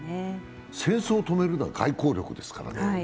戦争を止めるのは外交力ですからね。